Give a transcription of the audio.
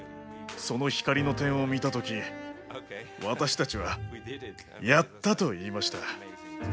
その光の点を見たとき私たちは「やった！」と言いました。